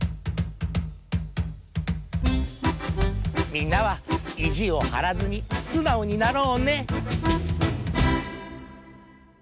みんなはいじをはらずにすなおになろうね。